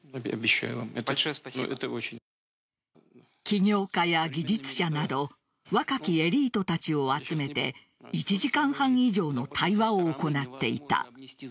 起業家や技術者など若きエリートたちを集めて１時間半以上の対話を行っていた。